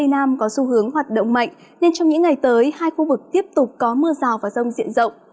những ngày tới hai khu vực tiếp tục có mưa rào và rông diện rộng